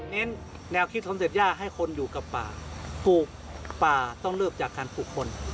เน้นแนวคิดคอนเซ็ปย่าให้คนอยู่กับป่าปลูกป่าต้องเริ่มจากการปลูกคน